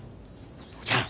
父ちゃん！